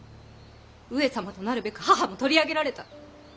上様となるべく母も取り上げられた！